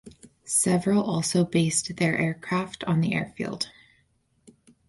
Several also based their aircraft on the airfield.